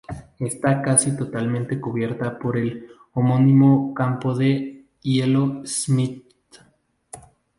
Está casi totalmente cubierta por el homónimo campo de hielo Schmidt.